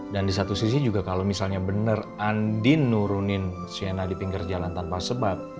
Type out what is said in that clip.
dan di satu sisi juga kalau misalnya bener andin nurunin sienna di pinggir jalan tanpa sebab